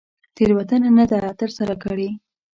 تېروتنه نه ده تر سره کړې.